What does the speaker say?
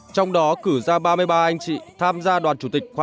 trong đó cử ra ba mươi ba anh chị tham gia đoàn chủ tịch khóa tám